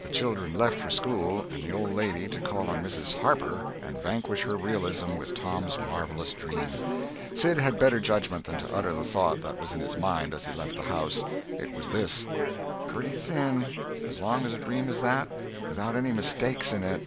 The children left for school, and the old lady to call on Mrs. Harper and vanquish her realism with Tom's marvellous dream. Sid had better judgment than to utter the thought that was in his mind as he left the house. It was this: "Pretty thin—as long a dream as that, without any mistakes in it!"